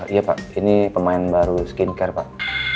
iya pak ini pemain baru skincare pak